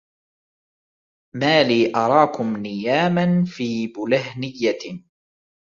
مالي أراكم نياماً في بلهنيّة